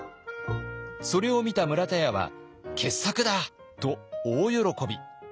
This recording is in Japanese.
それを見た村田屋は傑作だと大喜び。